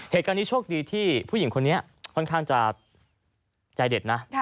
เหตุการณ์นี้โชคดีที่ผู้หญิงคนนี้ค่อนข้างจะใจเด็ดนะ